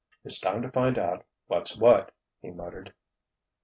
"It's time to find out what's what!" he muttered.